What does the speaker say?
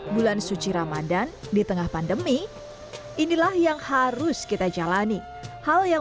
bulan suci ramadhan di tengah pandemi inilah yang harus kita jalani hal yang